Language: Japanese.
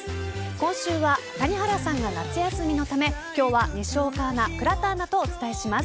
今週は谷原さんが夏休みのため今日は西岡アナ、倉田アナとお伝えします。